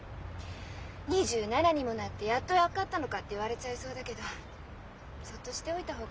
「２７にもなってやっと分かったのか」って言われちゃいそうだけどそっとしておいた方がいいことってあるんですね。